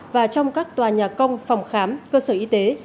và trong các tòa nhà công phòng khám cơ sở y tế